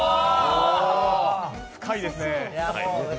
深いですね。